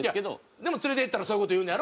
でも連れていったらそういう事言うのやろ？